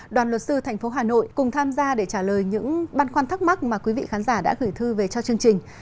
đoàn luật sư tp hcm cùng tham gia để trả lời những băn khoăn thắc mắc mà quý vị khán giả đã gửi thư về cho chương trình